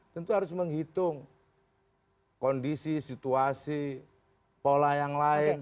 tentu harus menghitung kondisi situasi pola yang lain